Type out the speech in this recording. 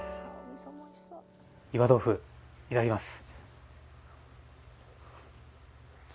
岩豆腐いただきます。